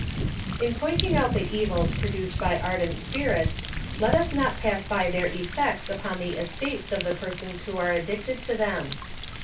In pointing out the evils produced by ardent spirits, let us not pass by their effects upon the estates of the per sons who are addicted to them.